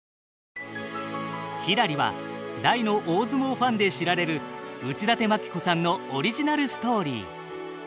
「ひらり」は大の大相撲ファンで知られる内館牧子さんのオリジナルストーリー。